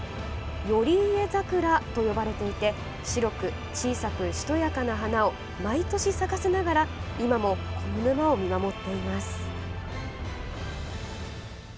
頼家桜と呼ばれていて白く小さく、しとやかな花を毎年、咲かせながら今もこの沼を見守っています。